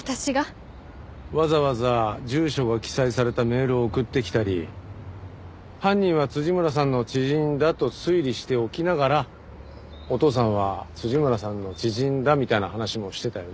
わざわざ住所が記載されたメールを送ってきたり犯人は村さんの知人だと推理しておきながらお父さんは村さんの知人だみたいな話もしてたよね。